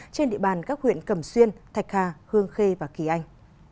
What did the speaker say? trên địa bàn các huyện cẩm xuyên thạch hà hương khê và kỳ anh